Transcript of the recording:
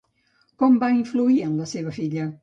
Com va influir en la seva filla?